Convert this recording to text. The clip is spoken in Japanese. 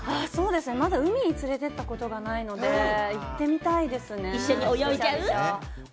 まだ海に連れて行ったことがないので一緒に行きたいですね。